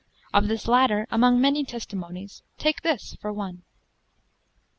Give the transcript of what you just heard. Of this latter among many testimonyes, take this for one.